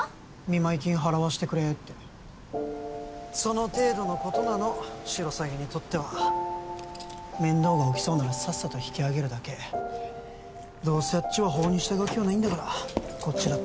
見舞金払わせてくれってその程度のことなのシロサギにとっては面倒が起きそうならさっさと引き上げるだけどうせあっちは法に従う気はないんだからこっちだって